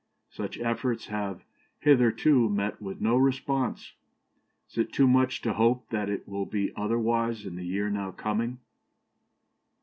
Such efforts have hitherto met with no response; is it too much to hope that it will be otherwise in the year now opening?"